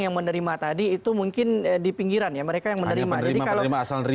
yang menerima tadi itu mungkin di pinggiran yang mereka yang menerima jadi kalau asal